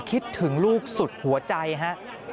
คิดถึงลูกสุดหัวใจฮะ